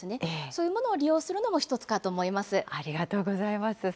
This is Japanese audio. そういうものを利用するのも一つありがとうございます。